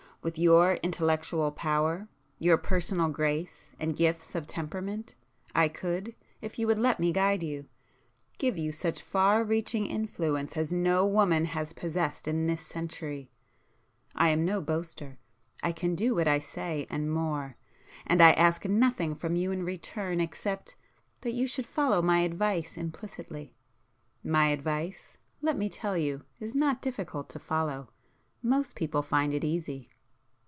With your intellectual power, your personal grace and gifts of temperament, I could, if you would let me guide you, give you such far reaching influence as no woman has possessed in this century. I am no boaster,—I can do what I say and more; and I ask nothing from you in return except that you should follow my advice implicitly. My advice, let me tell you is not difficult to follow; most people find it easy!"